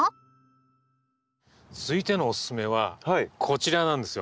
続いてのおススメはこちらなんですよ。